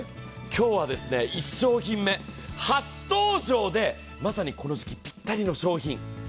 今日は１商品目、初登場でまさにこの時期ぴったりの商品。